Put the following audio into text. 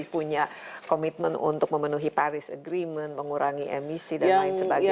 punya komitmen untuk memenuhi paris agreement mengurangi emisi dan lain sebagainya